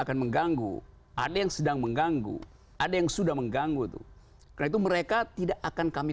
akan mengganggu ada yang sedang mengganggu ada yang sudah mengganggu itu karena itu mereka tidak akan kami